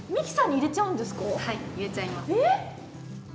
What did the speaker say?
入れちゃいます。